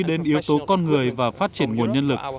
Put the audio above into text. đến yếu tố con người và phát triển nguồn nhân lực